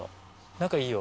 仲いいよ。